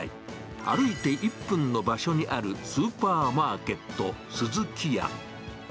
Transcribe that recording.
歩いて１分の場所にあるスーパーマーケット、スズキヤ。